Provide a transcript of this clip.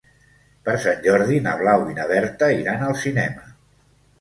Per Sant Jordi na Blau i na Berta iran al cinema.